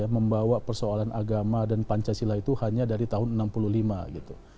membawa persoalan agama dan pancasila itu hanya dari tahun seribu sembilan ratus enam puluh lima gitu